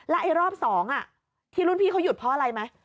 ไอ้รอบ๒ที่รุ่นพี่เขาหยุดเพราะอะไรไหม